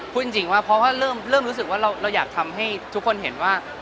พูดจริงว่าเพราะว่าเริ่มรู้สึกว่าเราอยากทำให้ทุกคนเห็นว่า